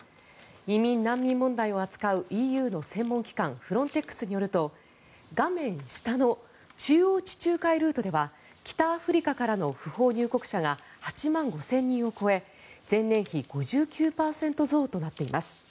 移民・難民問題を扱うＥＵの専門機関フロンテックスによると画面下の中央地中海ルートでは北アフリカからの不法入国者が８万５０００人を超え前年比５９％増となっています。